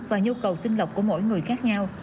và nhu cầu sinh lọc của mỗi người khác nhau